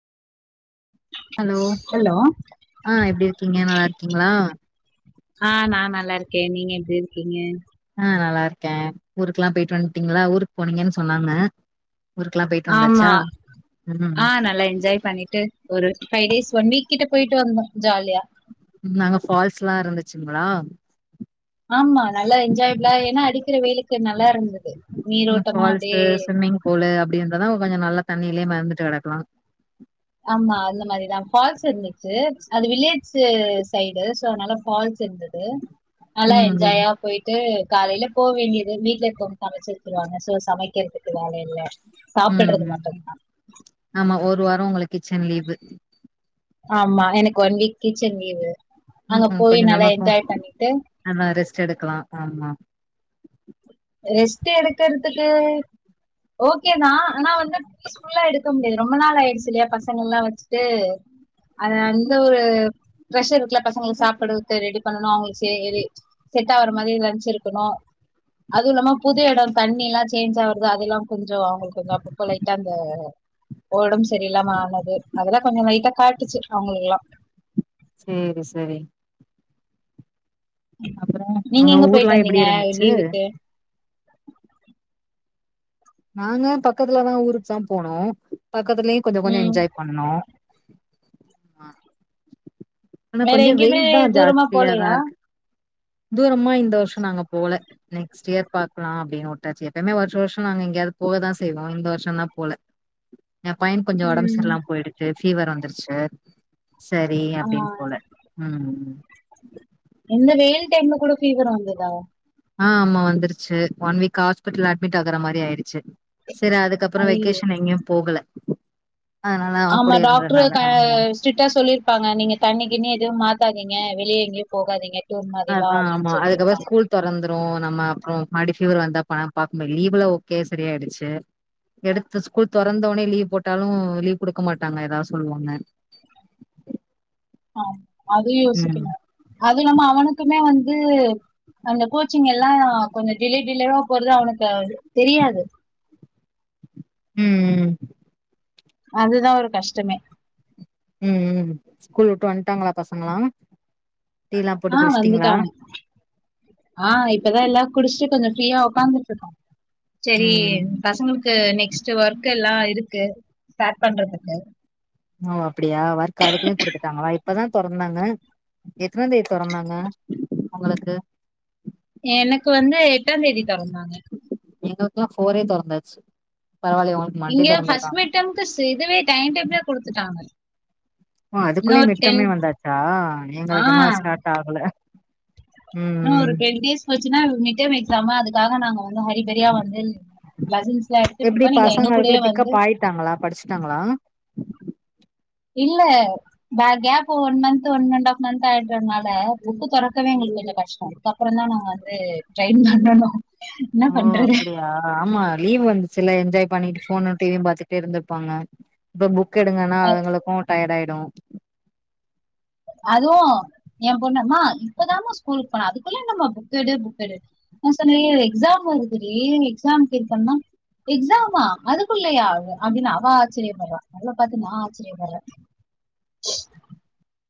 Hello hello ஆஹ் எப்படி இருக்கீங்க நல்லா இருக்கீங்களா ஆஹ் நான் நல்லா இருக்கேன் நீங்க எப்படி இருக்கீங்க ஆஹ் நல்லா இருக்கேன் ஊருக்குெல்லா போயிட்டு வந்துட்டீங்களா ஊருக்கு போனீங்கன்னு சொன்னாங்க ஊருக்கெல்லாம் போயிட்டு வந்தாச்சா? ஆமா ம் ஆஹ் நல்லா என்ஜாய் பண்ணிட்டு ஒரு ஃபைவ் டேஸ் ஒன் வீக் கிட்ட போயிட்டு வந்தோம் நாங்க ஃபால்ஸ் எல்லா இருந்துச் சங்களா ஆமா நல்லா என்ஜாய பிளா ஏன்னா அடிக்கிற வெயிலுக் உம் அப்டியே ஃபால்ஸ்சி விம்மிங் பூலு அப்படி இருந்ததா கொஞ்சோ நல்லா தண்ணியிலயே மிதந்திட்டு கிடக்கலா ஆமா அந்த மாரிதான் ஃபால்ஸ் இருந்து ந்தது அது விளையாட்டு சைடு சோ அதனால ஃபால்ஸ் இருந்தது நல்லா ம் ம் என்ஜாயா போயிட்டு காலையில போ வேண்டியது வீட்டுல இருக்கும் சமைச்சு வச்சருவாங்க சோ சமைக்கிறதுக்கு வேல இல்ல உம் சாப்பிடுறது உம் மட்டும்தா ஆமா ஒரு வாரம் உங்களுக் கிச்சன் லீவு ஆமா எனக்கு ஒன் வீக் கிச்சன் லீவு ம் அங்க ம் போயி நல்லா என்ஜாய் பண்ணிட்டு ஸ்டு எடுக்கலா ஆமா ரெஸ்ட் எடுக்கதுக்கு ஓகேதான் ஆனா வந்து பீஸ்ஃபுல்லா எடுக்க முடியாது ரொம்ப நாள் ஆயிடுச்சு இல்லையா பசங்க எல்லா வச்சுட்டு அத அந்த ஒரு பஷர் இருக்குல பசங்க சாப்படுக்கு ரெடி பண்ணும் அவங்க செட் ஆற மாதிரி லன்ச் இருக்கணும் அதுவும் இல்லாம புது இடம் தண்ணி எல்லாம் சேஞ்ச் ஆகுறது அதெல்லா கொஞ்சோ கொஞ்சோ அவங்களுக்குங்க அப்பப்ப லைட்டா அந்த ஒடம்பு செரியில்லாம ஆனது அதெல்லா கொஞ்சோ லைட்டா காட்டுச்சு அவங்களுக்கெல்லா சேரி சேரி அப்புறம் நீங்க உங்க எங்க போயிட்டு ஊர்லாம் எப்டி வந்தீங்க இருந்துச்சு? லீவுக்கு நாங்க பத் பக்கத்துலதா ஊருக்கு தா போனோ பக்கத்துலயு கொஞ்சோ கொஞ்சோ ம் என்ஜாய் பண்ணோ ஆஹ் வேற எங்கயுமே தூரமா போலையா இருக்கு தூரமா இந்த வர்ஷோ நாங்க போல நெக்ஸ்ட் இயர் பாக்லா அப்டின்னு உட்டாச்சி எப்பய்மே வர்ஷொ வர்ஷொ நாங்க எங்யாது போகதா செய்வோ இந்த வர்ஷொதா போல ஏ பையனுக் கொஞ்சொ ஒடம் ம் செர்லாம் போய்டுச்சி ஃபீவர் வந்துர்ச்சி சரி அப்டின் ஆஹ் போல உம் இந்த வெயில் டைம்ல கூட ஃபீவர் வந்துர்தா ஆ ஆமா வந்துருச்சு ஒன் வீக் ஆஸ்பிடல்ல அட்மிட் ஆகுற மாரி ஆயிடுச்சு செர் அதுக்கப்றொ ஐயோ வெகேஷன் எங்கயு போகல அதனால அவ ஆமா கூடயே டாக்ட்ரு இருந்ததுனால க ஆமா ஸ்ரிட்டா சொல்லிர்பாங்க நீங்க தண்ணி கிண்ணி எது மா த்தாதிங்க வெளிய எங்கயு போகாதிங்க அதா ஆமா அதுக்கப்றொ ஸ்கூல் தொறந்துரு நம்ம அப்றொ மடிஃப் ஃபீவர் வந்தா பன பாக்முடியாத் லீவுல ஓகே சரியாய்டுச்சு எடுத்து ஸ்கூல் தொறந்தொனே லீவ் போட்டாலு லீவ் குடுக்க மாட்டாங்க ஏதாவ் சொல்லுவாங்க ஆம் அது ம் யோசிக்கெனு அதுல்லாம அவனுக்குமே வந்து து அந்த கோட் ச்சிங்கெல்லா கொஞ்ச டிலே டிலேவா போறது அவனுக்கு தெரியாது உம் உம் அதுதா ஒரு கஷ்டமே உம் உம் ஸ்கூல் உட்டு வன்டாங்களா பசங்களா டீ எல்லா போட்டு ஆஹ் குடிச்சிட்டீங்களா வந்துடாங்க ஆ இப்பதா எல்லா [unintelligible] கொஞ்சொ ஃப்ரியா உக்காந்துட்ருக்கோ செரி ம் பசங்க்ளுக்கு நெக்ஸ்ட் ஒர்க் கெல்லா இருக்கு ஸ்டாட் பண்றதுக்கு ஓ அப்புடியா வொர்க் அதுக்குலயு குடுத்துட்டாங்ளா இப் பதா தொறந்தாங்க எத்னா தே தொறந்தாங்க உங்களுக்கு எனக்கு வந்து எ ட்டாந் தேதி தொறந்தாங்க எங்களுக்லா ஃபோரே தொறந்தாச்சு பரவால ஒனக்கு மண்டே இங்க ஃபர்ஸ்ட் தொறந்துருக்காங்க மிட் டெர்ம்க்கு ஸ் இதுவே டைம் டேபிளே குடுத்துட்டாங்க. ஓ இன்னும் அதுக்குள்ளயு ஒரு டென் மிட்டமே வந்தாச்சா ஆ எங்களுக்கு இன்னு ஸ்டார்ட் ஆகல ம் இன்னு ஒரு ம் டென் டேஸ் போச்சினா மிட்டெர்ம் எக்ஸ் க்ஸாமு அதுக்காக நாங்க வந்து ஹரிபரியா வந்து லசன்ஸ்லா எடுத்துட்டு எப்டி இருக்கோ நீங்க எங்க பசங்க கூடயே அதுக்குள்ள வந்து பிக்கப் ஆயிட்டாங்களா படிச்சுட்டாங்களா இல்ல ப gap one month one and half month ஆயிடுதுனால புக்கு தொறக்கவே முடிலங்க கஷ்ட அதுக்கப்பறந்தா நாங்க வந்து ட்ரெய்ன் பண்ணனு என்ன ஓ பண்றது அப்டியா ஆமா லீவ் வந்து ச்சில என்ஜாய் பண்ணிட்டு ஃபோனு டி வி யு பாத்துகிட் டு இருந்திருப்பாங்க இப்ப புக் எடுங்கனா அவங்களுக்கு டயர்டு ஆயிருக் கு அதுவும் என் பொண்ணு அம்மா இப்பதாமா ஸ்கூலுக் போன அதுக்குள்ள என்னமா புக் எடு புக் எடு நா சொன்ன ஏ எக்ஸாம் வருதுடி எக்ஸாம் ஃபில் பண்ணா எக்ஸாமா அதுக்குள்ளயா அப்டினு அவ ஆச்சரியப்படுறா அவள பாத்து நா ஆச்சரியப்படற